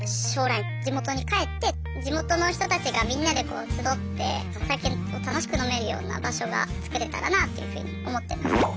将来地元に帰って地元の人たちがみんなでこう集ってお酒を楽しく飲めるような場所がつくれたらなというふうに思ってます。